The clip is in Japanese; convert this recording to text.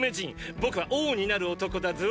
僕は王になる男だぞ。